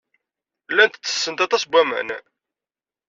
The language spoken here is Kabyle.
Llant ttessent aṭas n waman.